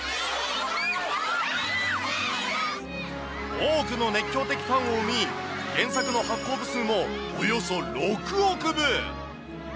多くの熱狂的ファンを生み、原作の発行部数もおよそ６億部。